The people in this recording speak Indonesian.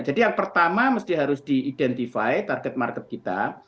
jadi yang pertama mesti harus di identify target market kita